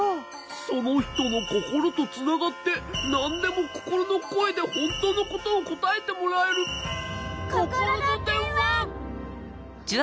そのひとのココロとつながってなんでもココロのこえでほんとのことをこたえてもらえるおお！